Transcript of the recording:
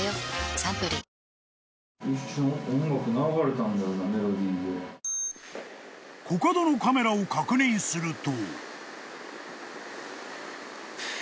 サントリー［コカドのカメラを確認すると］